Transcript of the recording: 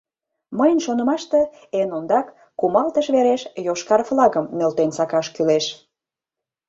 — Мыйын шонымаште, эн ондак кумалтыш вереш йошкар флагым нӧлтен сакаш кӱлеш...